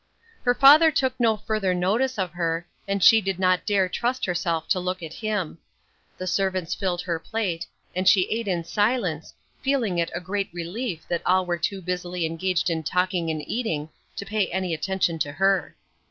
Her father took no further notice of her, and she did not dare trust herself to look at him. The servants filled her plate, and she ate in silence, feeling it a great relief that all were too busily engaged in talking and eating to pay any attention to her.